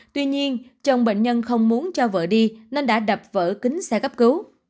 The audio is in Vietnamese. tuy nhiên chồng bệnh nhân không muốn cho vợ đi nên đã đập vỡ kính xe cấp cứu